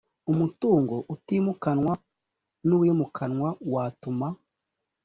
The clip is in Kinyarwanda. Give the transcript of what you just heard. umutungo utimukanwa n uwimukanwa watuma